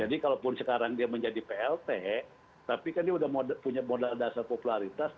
jadi kalau pun sekarang dia menjadi plt tapi kan dia udah punya modal dasar popularitas